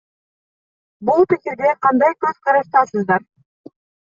Бул пикирге кандай көз караштасыздар?